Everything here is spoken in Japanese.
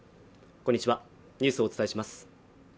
こんにちはニュースをお伝えします